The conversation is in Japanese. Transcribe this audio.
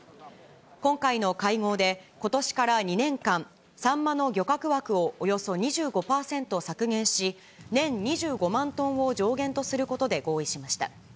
今回の会合で、ことしから２年間、サンマの漁獲枠をおよそ２５％削減し、年２５万トンを上限とすることで合意しました。